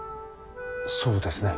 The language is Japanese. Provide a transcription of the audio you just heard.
そうですね。